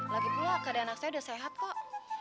lagipula kadang anak saya udah sehat kok